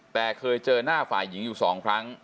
แต่เคยเจอหน้าฝ่ายหญิงอยู่๒ครั้ง